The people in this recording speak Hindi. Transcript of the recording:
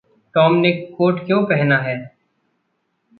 टॉम ने कोट क्यों पहना है?